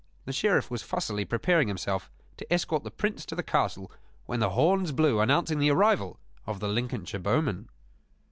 The Sheriff was fussily preparing himself to escort the Prince to the castle when the horns blew announcing the arrival of the Lincolnshire bowmen.